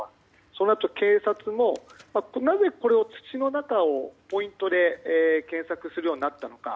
そうなると警察も、なぜ土の中をポイントで検索するようになったのか。